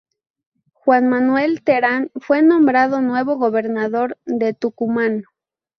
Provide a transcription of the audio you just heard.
Juan Manuel Terán fue nombrado nuevo gobernador de Tucumán.